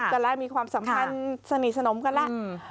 กันแล้วมีความสัมพันธ์สนิทสนมกันแล้ว